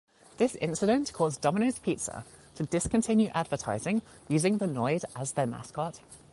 This incident caused Domino's Pizza to discontinue advertising using the Noid as their mascot.